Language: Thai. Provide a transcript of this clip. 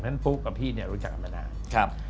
เพราะฉะนั้นปุ๊บกับพี่รู้จักกันมานาน